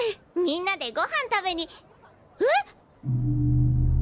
みんなでごはん食べにえっ？